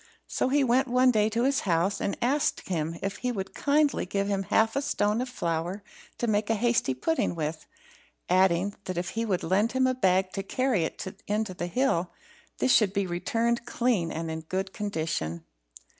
So he went one day to his house, and asked him if he would kindly give him half a stone of flour to make hasty pudding with; adding, that if he would lend him a bag to carry it in to the hill, this should be returned clean and in good condition.